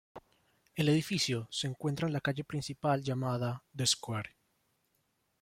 El edificio se encuentra en la calle principal llamada "The Square".